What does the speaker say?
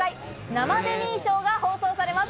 『生デミー賞』が放送されます。